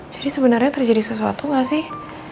jadi sebenarnya terjadi sesuatu gak sih